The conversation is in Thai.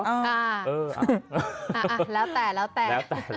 อ่าแล้วแต่แล้วแต่